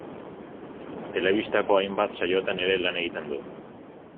Telebistako hainbat saiotan ere lan egiten du.